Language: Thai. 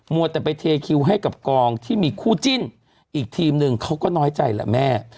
วัวแต่ไปเทคิวให้กับกองที่มีคู่จิ้นอีกทีมหนึ่งเขาก็น้อยใจแหละแม่